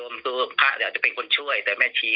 มี๓คนนั้นรู้ชื่อเล่นเลยนะเนี่ย